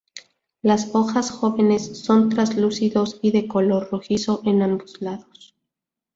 Las hojas jóvenes son translúcidos y de color rojizo en ambos lados.